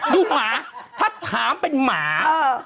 หมาถ้าถามเป็นหมา